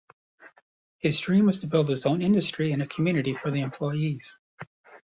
His dream was to build his own industry and a community for the employees.